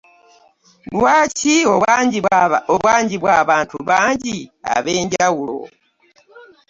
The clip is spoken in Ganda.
Lwaki obanjibwa abantu bangi ab'enjawulo?